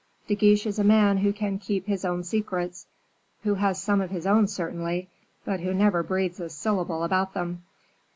De Guiche is a man who can keep his own secrets, who has some of his own certainly, but who never breathes a syllable about them.